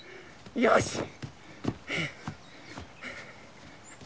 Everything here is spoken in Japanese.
よし！